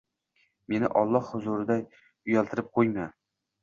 Meni Alloh huzurida uyaltirib qo'yma!